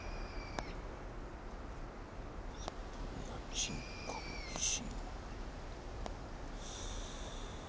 人工地震。